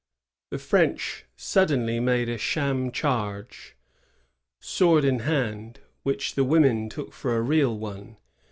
The Frenchmen suddenly made a sham charge, sword in hand, which the women took for a real one.